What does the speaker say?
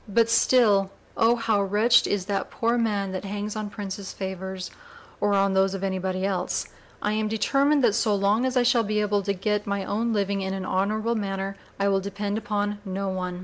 But still 'Oh! how wretched Is that poor man, that hangs on Princes' favors,' or on those of any body else. I am determined that so long as I shall be able to get my own living in an honorable manner, I will depend upon no one.